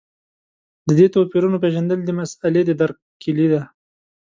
د دې توپیرونو پېژندل د مسألې د درک کیلي ده.